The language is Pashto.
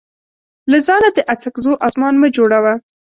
له ځانه د اڅکزو اسمان مه جوړوه.